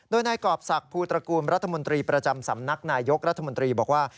โดยนายกรอบศักดิ์ภูตระกูลรัฐมนตรีประจำสำนักนายยกรัฐมนตรีบอกว่า